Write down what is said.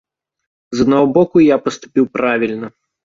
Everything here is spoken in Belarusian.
З аднаго боку, я паступіў правільна.